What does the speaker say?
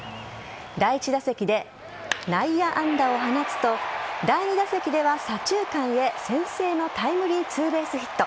第１打席で内野安打を放つと第２打席では左中間へ先制のタイムリーツーベースヒット。